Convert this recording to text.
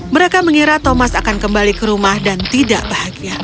mereka mengira thomas akan kembali ke rumah dan tidak bahagia